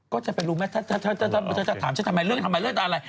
ก็จะไปรู้ไหมเธอจะถามฉันทำไมเรื่องทำไมเรื่องอะไร